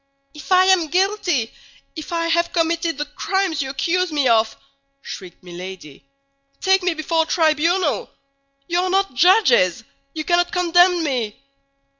"If I am guilty, if I have committed the crimes you accuse me of," shrieked Milady, "take me before a tribunal. You are not judges! You cannot condemn me!"